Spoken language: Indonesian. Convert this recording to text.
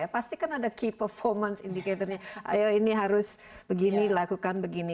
pasti kan ada key performance indicatornya ayo ini harus begini lakukan begini